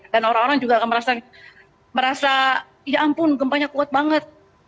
dan orang orang juga akan merasa ya ampun gempanya kuat banget